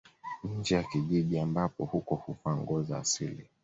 Nje ya kijiji ambapo huko huvaa nguo za asili